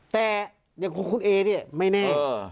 แต่อย่างคุณเอเนี่ยไม่แน่